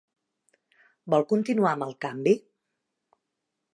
Vol continuar amb el canvi?